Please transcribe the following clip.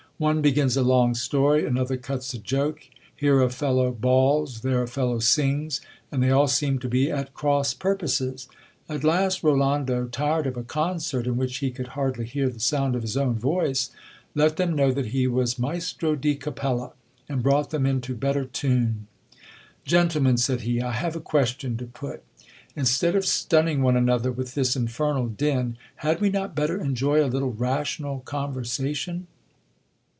One begins a long story, another cuts a joke ; here a fellow bawls, there a fellow sings ; and they all seem to be at cross purposes. At last Ro lando, tired of a concert in which he could hardly hear the sound of his own voice, let them know that he was maestro di capella, and brought them into better tune. Gentlemen, said he, I have a question to put. Instead of stun ning one another with this infernal din, had we not better enjoy a little rational conversation